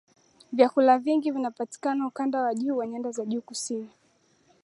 vyakula vingi vinapatikana katika ukanda wa nyanda za juu kusini